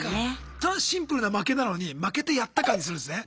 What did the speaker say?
ただシンプルな負けなのに「負けてやった感」にするんですね。